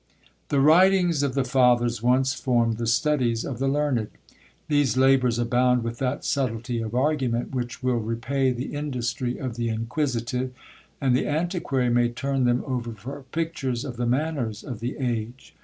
The writings of the Fathers once formed the studies of the learned. These labours abound with that subtilty of argument which will repay the industry of the inquisitive, and the antiquary may turn them over for pictures of the manners of the age.